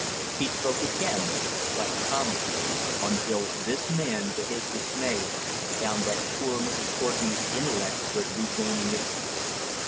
He spoke again, quite calmly: "Until this man, to his dismay, found that poor Mrs. Courtenay's intellect was regaining its strength.